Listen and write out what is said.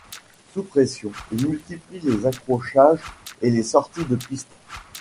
Sous pression, il multiplie les accrochages et les sorties de piste.